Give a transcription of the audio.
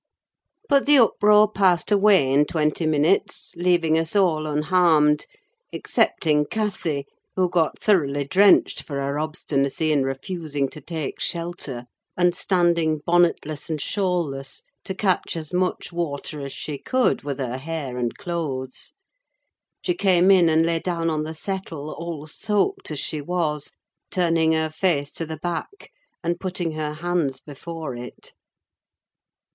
But the uproar passed away in twenty minutes, leaving us all unharmed; excepting Cathy, who got thoroughly drenched for her obstinacy in refusing to take shelter, and standing bonnetless and shawlless to catch as much water as she could with her hair and clothes. She came in and lay down on the settle, all soaked as she was, turning her face to the back, and putting her hands before it.